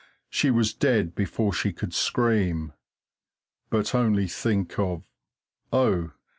She was dead before she could scream, but only think of oh!